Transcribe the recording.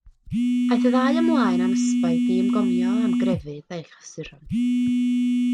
Aeth y ddau ymlaen am ysbaid i ymgomio am grefydd a'i chysuron.